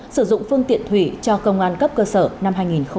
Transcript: sử dụng phương tiện thủy cho công an cấp cơ sở năm hai nghìn hai mươi ba